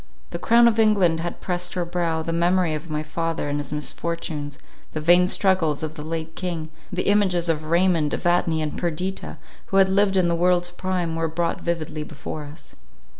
The crown of England had pressed her brow; the memory of my father and his misfortunes, the vain struggles of the late king, the images of Raymond, Evadne, and Perdita, who had lived in the world's prime, were brought vividly before us.